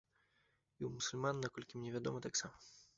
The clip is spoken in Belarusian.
І ў мусульман, наколькі мне вядома, таксама.